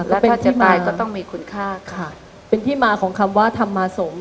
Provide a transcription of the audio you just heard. แล้วถ้าจะตายก็ต้องมีคุณค่าค่ะเป็นที่มาของคำว่าธรรมาสงฆ์